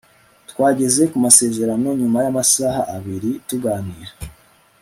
twageze ku masezerano nyuma yamasaha abiri tuganira